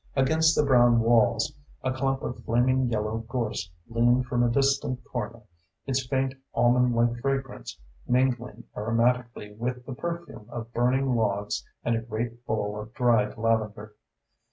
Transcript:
Against the brown walls, a clump of flaming yellow gorse leaned from a distant corner, its faint almond like fragrance mingling aromatically with the perfume of burning logs and a great bowl of dried lavender.